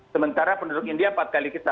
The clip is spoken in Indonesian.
sementara penduduk india empat kali kita